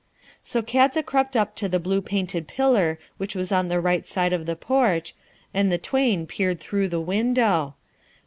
So Kadza crept up to the blue painted pillar which was on the right side of the porch, and the twain peered through the window.